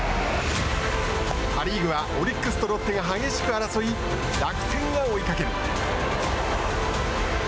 パ・リーグはオリックスとロッテが激しく争い楽天が追いかける。